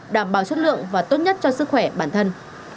đảm bảo chất lượng và tốt nhất cho sức khỏe bản thân